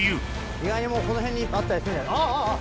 意外にもうこの辺にあったりするんじゃない？